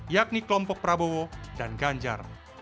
yakni kelompok prabowo dan ganjar